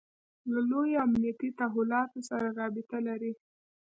له لویو امنیتي تحولاتو سره رابطه لري.